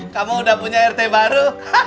kamu udah punya rt baru